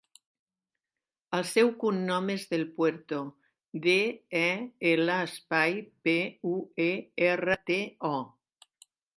El seu cognom és Del Puerto: de, e, ela, espai, pe, u, e, erra, te, o.